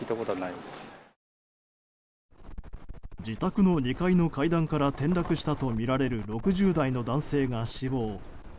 自宅の２階の階段から転落したとみられる６０代の男性が死亡。